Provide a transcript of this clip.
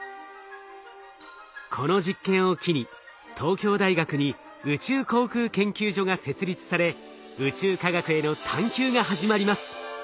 この実験を機に東京大学に宇宙航空研究所が設立され宇宙科学への探究が始まります。